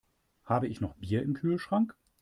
Habe ich noch Bier im Kühlschrank?